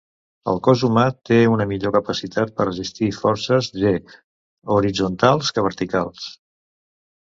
El cos humà té una millor capacitat per resistir forces g horitzontals que verticals.